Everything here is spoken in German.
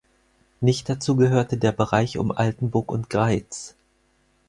Nicht dazu gehörte der Bereich um Altenburg und Greiz.